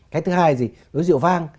cái thứ hai là gì đối với rượu vang